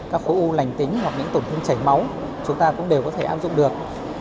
các khối u lành tính hoặc những tổn thương chảy máu chúng ta cũng đều có thể áp dụng được